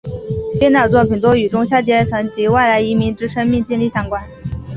编导作品多与中下阶层及外来移民之生命经历相关。